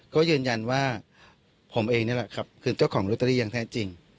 ก็ยืนยันว่าผมเองนี่แหละครับคือเจ้าของลอตเตอรี่อย่างแท้จริง